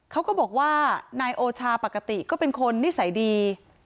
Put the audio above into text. เขาก็บอกว่านายโอชาปกติก็เป็นคนนิสัยดี